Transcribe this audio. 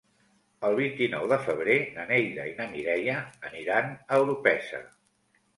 El vint-i-nou de febrer na Neida i na Mireia aniran a Orpesa.